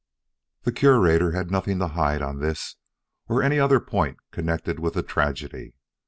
"The Curator had nothing to hide on this or any other point connected with the tragedy.